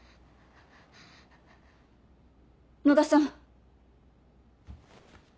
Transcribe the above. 野田さん。